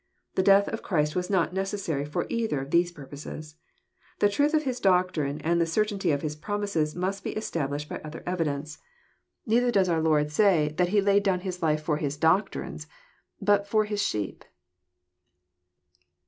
The death of Christ was not necessary for either of those purposes. The truth of His doctrine and the certainty of His promises must be established by other evidence. Kelther 194 EXPOSITORY THOUGHTS. does onr Lord say, that He laid down life for His doctrines, bat for His sheep."